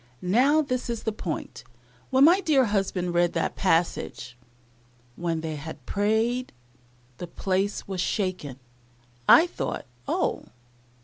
Now this is the point, when my dear husband read that passage, "When they had prayed, the place was shaken," I thought, Oh!